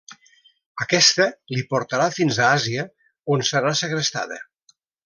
Aquesta li portarà fins a Àsia, on serà segrestada.